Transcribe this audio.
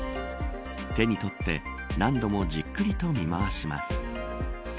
手にとって何度もじっくりと見回します。